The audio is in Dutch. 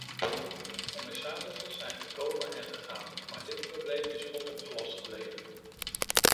Commissarissen zijn gekomen en gegaan, maar dit probleem is onopgelost gebleven.